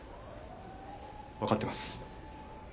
わかってます。